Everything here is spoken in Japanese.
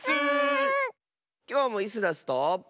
きょうもイスダスと。